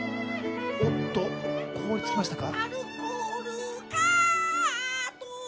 おっと、凍りつきましたか？